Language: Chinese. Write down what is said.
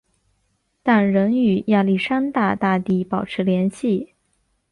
但仍与亚历山大大帝保持联系。